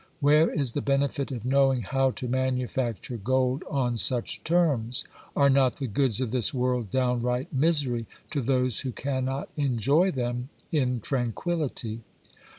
Where is the benefit of knowing how to manufacture gold on such terms ? Are not the goods of this world downright misery to those who cannot enjoy them in tranquillity